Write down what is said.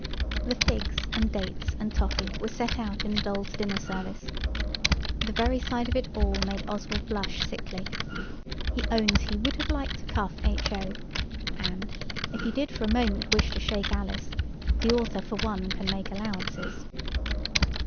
The figs and dates and toffee were set out in the doll's dinner service. The very sight of it all made Oswald blush sickly. He owns he would have liked to cuff H.O., and, if he did for a moment wish to shake Alice, the author, for one, can make allowances.